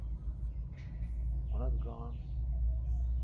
اونتھ گاݨڈ